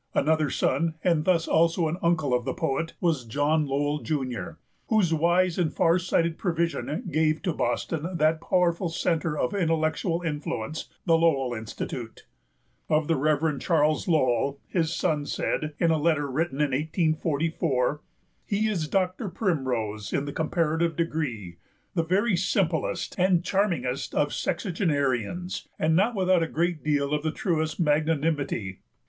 Another son, and thus also an uncle of the poet, was John Lowell, Jr., whose wise and far sighted provision gave to Boston that powerful centre of intellectual influence, the Lowell Institute. Of the Rev. Charles Lowell, his son said, in a letter written in 1844, "He is Doctor Primrose in the comparative degree, the very simplest and charmingest of sexagenarians, and not without a great deal of the truest magnanimity."